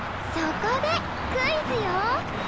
そこでクイズよ！